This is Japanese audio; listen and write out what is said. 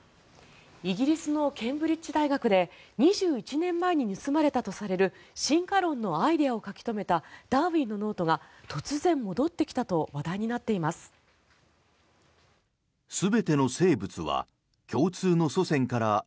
イギリスのケンブリッジ大学で２１年前に盗まれたとされる進化論のアイデアを書き留めたダーウィンのノートが突然、戻ってきたと話題になっています。